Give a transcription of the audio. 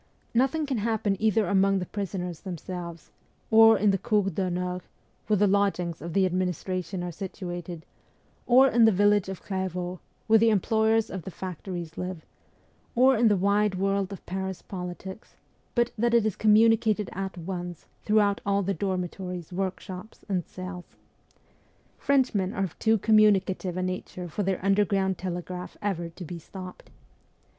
Nothing can happen either among the prisoners themselves, or in the cour d'honneur, where the lodgings of the administration are situated, or in the village of Clairvaux, where the employers of the factories live, or in the wide world of Paris politics, but that it is communicated at once throughout all the dormitories, workshops, and cells. Frenchmen are of too communicative a nature for their underground telegraph ever to be stopped.